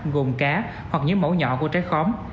gồm cá hoặc những mẫu nhỏ của trái khóm